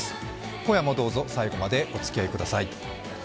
今夜もどうぞ最後までおつきあいください。